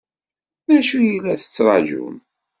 D acu i la tettṛaǧum?